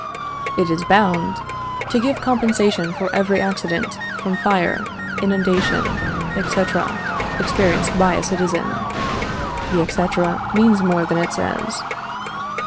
It is bound "To give compensation for every accident, from fire, inundation, &c., experienced by a citizen." (The et cætera means more than it says.)